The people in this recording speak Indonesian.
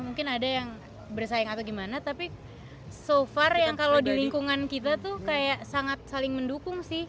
mungkin ada yang bersaing atau gimana tapi so far yang kalau di lingkungan kita tuh kayak sangat saling mendukung sih